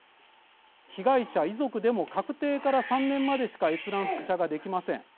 被害者遺族でも確定から３年までしか閲覧複写ができません。